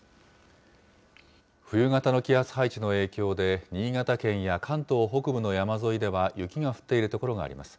冬型の気圧配置の影響で、新潟県や関東北部の山沿いでは雪が降っている所があります。